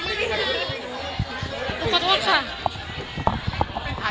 ไม่รู้เหรอ